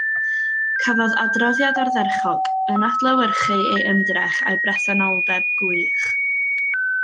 Cafodd adroddiad ardderchog, yn adlewyrchu ei ymdrech a'i bresenoldeb gwych